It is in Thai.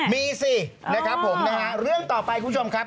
มีสินะครับผมนะฮะเรื่องต่อไปคุณผู้ชมครับ